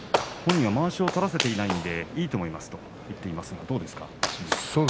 本人は、まわしを取らせていないので、いいと思いますと言っていますが、どうですか？